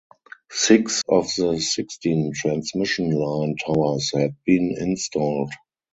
Six of the sixteen transmission line towers had been installed.